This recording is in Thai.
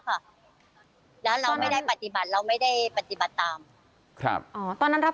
ค่ะแล้วเราไม่ได้ปฏิบัติเราไม่ได้ปฏิบัติตามครับอ๋อตอนนั้นรับ